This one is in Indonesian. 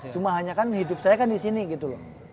cuma hanya kan hidup saya kan disini gitu loh